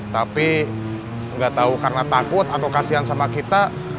tapi gak tau karena takut atau kasihan sama kita